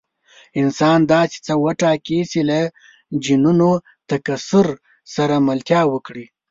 انسان داسې څه وټاکي چې له جینونو تکثیر سره ملتیا وکړي.